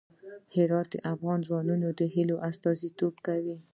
هرات د افغان ځوانانو د هیلو استازیتوب کوي.